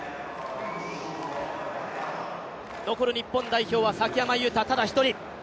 残る日本代表は崎山雄太、ただ１人。